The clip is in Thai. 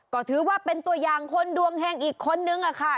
ก็ถือว่าเป็นตัวอย่างคนดวงเฮงอีกคนนึงค่ะ